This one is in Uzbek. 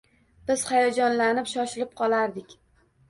Biz hayajonlanib, shoshilib qolardik.